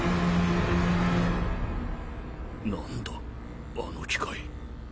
なんだあの機械。